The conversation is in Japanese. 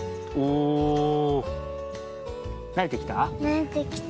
なれてきた？